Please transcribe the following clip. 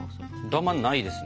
ダマないですね。